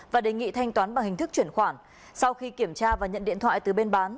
và đề nghị thanh toán bằng hình thức chuyển khoản sau khi kiểm tra và nhận điện thoại từ bên bán